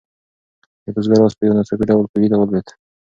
د بزګر آس په یو ناڅاپي ډول کوهي ته ولوېد.